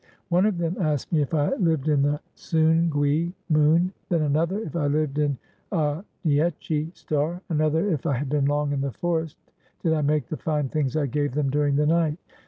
One of them asked me if I lived in the soungui (moon), then another if I lived in a niechi (star), another if I had been long in the forest. Did I make the fine things I gave them during the night?